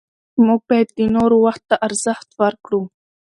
موږ باید د نورو وخت ته ارزښت ورکړو